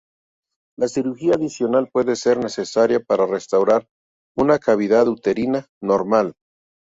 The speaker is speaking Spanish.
La cirugía adicional puede ser necesaria para restaurar una cavidad uterina normal.